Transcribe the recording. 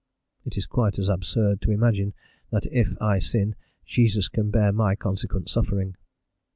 It is quite as absurd to imagine that if I sin Jesus can bear my consequent suffering.